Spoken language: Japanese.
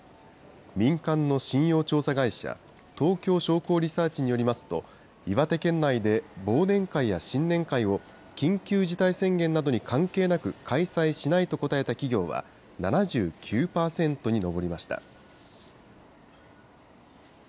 民間の信用調査会社、東京商工リサーチによりますと、岩手県内で忘年会や新年会を、緊急事態宣言などに関係なく開催しないと答えた企業は７９％に上りました。